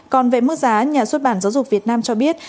còn về mức giá nhà xuất bản giáo dục việt nam cho biết